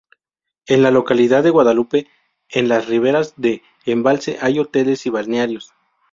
En la localidad de Guadalupe, en las riberas del embalse hay hoteles y balnearios.